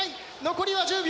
残りは１０秒。